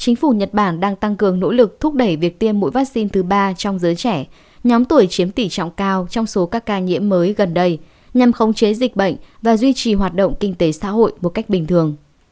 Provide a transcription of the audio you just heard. chính phủ nhật bản đang tăng cường nỗ lực thúc đẩy việc tiêm mũi vaccine thứ ba trong giới trẻ nhóm tuổi chiếm tỷ trọng cao trong số các ca nhiễm mới gần đây nhằm khống chế dịch bệnh và duy trì hoạt động kinh tế xã hội một cách bình thường